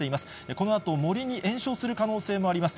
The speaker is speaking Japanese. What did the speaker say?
このあと森に延焼する可能性もあります。